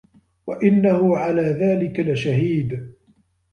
وَإِنَّهُ عَلى ذلِكَ لَشَهيدٌ